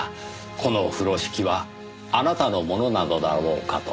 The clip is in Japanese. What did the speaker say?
この風呂敷はあなたのものなのだろうか？と。